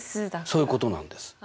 そういうことなんです。